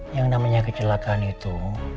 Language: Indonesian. yang namanya kecelakaan itu